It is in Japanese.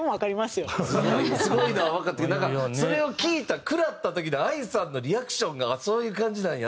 すごいのはわかったけどなんかそれを聴いた食らった時のＡＩさんのリアクションがそういう感じなんやって。